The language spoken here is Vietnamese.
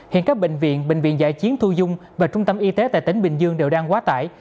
hiện các bệnh viện bệnh viện giải chiến thu dung và trung tâm y tế tại tỉnh bình dương đều đang quá tải